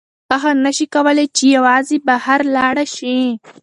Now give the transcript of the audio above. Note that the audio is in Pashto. هغه نشي کولی چې یوازې بهر لاړه شي.